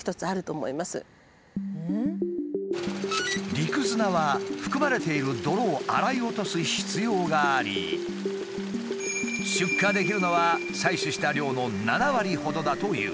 陸砂は含まれている泥を洗い落とす必要があり出荷できるのは採取した量の７割ほどだという。